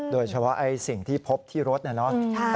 โดยเฉพาะสิ่งที่พบที่รถน่ะเนอะ